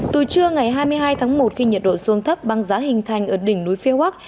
từ trưa ngày hai mươi hai tháng một khi nhiệt độ xuân thấp băng giá hình thành ở đỉnh núi phiêu quắc